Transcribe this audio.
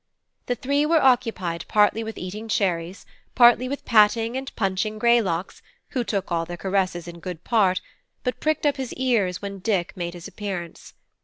The three were occupied partly with eating cherries, partly with patting and punching Greylocks, who took all their caresses in good part, but pricked up his ears when Dick made his appearance.